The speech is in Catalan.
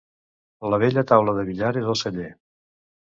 La vella taula de billar és al celler.